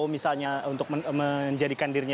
misalnya untuk menjadikan dirinya